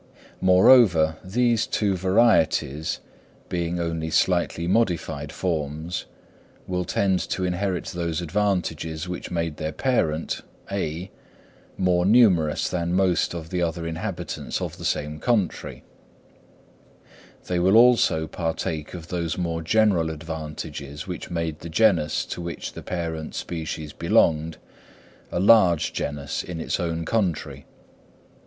Moreover, these two varieties, being only slightly modified forms, will tend to inherit those advantages which made their parent (A) more numerous than most of the other inhabitants of the same country; they will also partake of those more general advantages which made the genus to which the parent species belonged, a large genus in its own country.